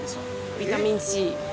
ビタミンＣ。